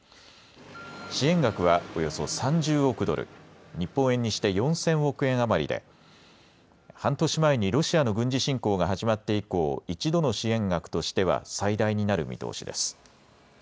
支援額はおよそ３０億ドル、日本円にして４０００億円余りで半年前にロシアの軍事侵攻が始まって以降、１度の支援額としては最大になる見通しです。